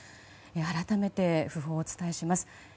改めて訃報をお伝えします。